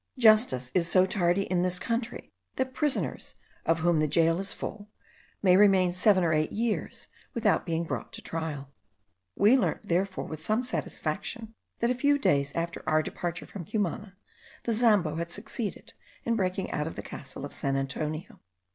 Justice is so tardy in this country, that prisoners, of whom the jail is full, may remain seven or eight years without being brought to trial; we learnt, therefore, with some satisfaction, that a few days after our departure from Cumana, the Zambo had succeeded in breaking out of the castle of San Antonio.